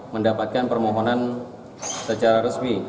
mendapatkan permohonan secara resmi